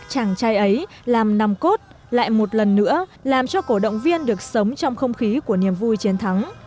các cổ động viên được sống trong không khí của niềm vui chiến thắng